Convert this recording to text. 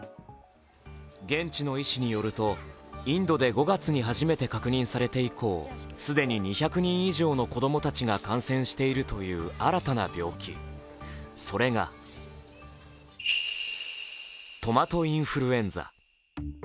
現地の医師によるとインドで５月に初めて確認されて以降、既に２００人以上の子供たちが感染しているという新たな病気、それがトマトインフルエンザ。